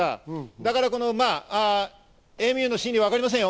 だからエミューの心理は分かりませんよ。